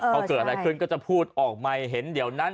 พอเกิดอะไรขึ้นก็จะพูดออกใหม่เห็นเดี๋ยวนั้น